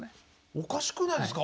おかしくないですか？